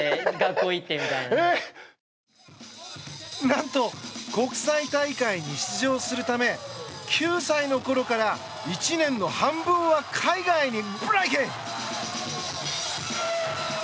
何と、国際大会に出場するため、９歳のころから１年の半分は海外にブレイキン！